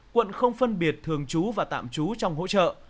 quận không phân biệt thường chú và tạm chú trong hỗ trợ